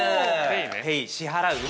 ペイ、支払う。